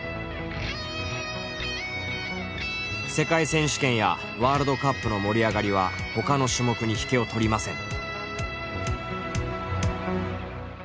世界選手権やワールドカップの盛り上がりはほかの種目に引けを取りません。